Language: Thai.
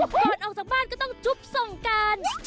ก่อนออกจากบ้านก็ต้องจุ๊บส่งการ